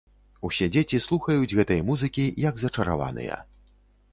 Усе дзеці слухаюць гэтай музыкі як зачараваныя.